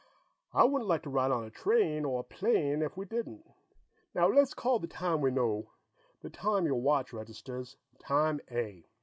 I wouldn't like to ride on a train or a plane if we didn't. Well, let's call the time we know, the time your watch registers, Time A.